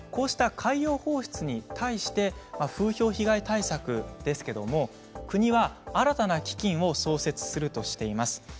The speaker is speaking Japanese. これに対して風評被害対策ですけれど国は新たな基金を創設するとしています。